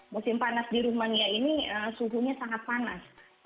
musim panas di rumania ini suhunya sangat panas